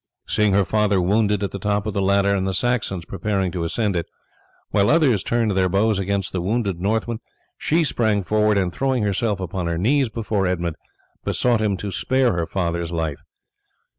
Seeing her father wounded at the top of the ladder and the Saxons preparing to ascend it, while others turned their bows against the wounded Northman, she sprang forward and throwing herself upon her knees before Edmund besought him to spare her father's life.